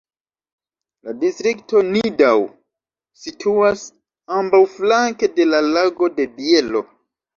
La distrikto Nidau situas ambaŭflanke de la Lago de Bielo.